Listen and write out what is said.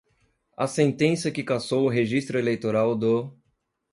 a sentença que cassou o registro eleitoral do